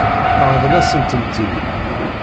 Ṛḍel-asen-tent-id.